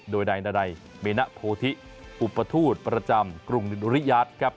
โดยนายนาดัยเมณโพธิอุปทูตประจำกรุงริยาทครับ